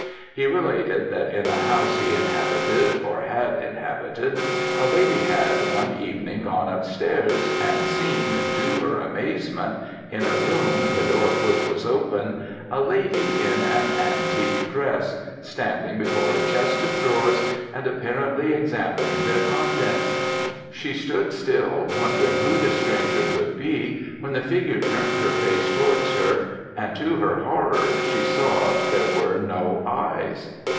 He related that in a house he inhabited, or had inhabited, a lady had one evening gone up stairs, and seen, to her amazement, in a room, the door of which was open, a lady in an antique dress, standing before a chest of drawers, and apparently examining their contents. She stood still, wondering who this stranger could be, when the figure turned her face towards her, and, to her horror, she saw there were no eyes.